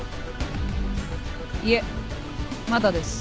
いえまだです。